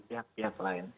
dari pihak pihak lain